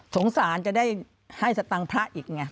จะได้ให้สตังค์พระอีกไง